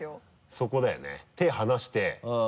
そこだよね手離して。